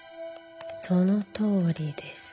「そのとおりです」